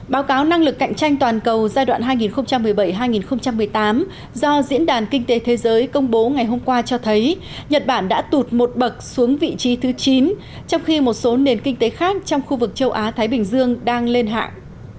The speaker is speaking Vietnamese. báo cáo năng lực cạnh tranh toàn cầu giai đoạn hai nghìn một mươi bảy hai nghìn một mươi tám do diễn đàn kinh tế thế giới công bố ngày hôm qua cho thấy nhật bản đã tụt một bậc xuống vị trí thứ chín trong khi một số nền kinh tế khác trong khu vực châu á thái bình dương đang lên hạng